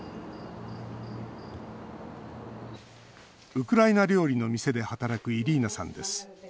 ウクライナ料理の店で働くイリーナさんです。